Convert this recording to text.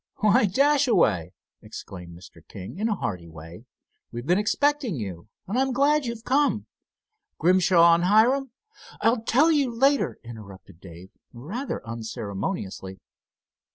"Why, Dashaway!" exclaimed Mr. King, in a hearty way. "We've been expecting you, and I'm glad you've come. Grimshaw and Hiram——" "I'll tell you later," interrupted Dave, rather unceremoniously.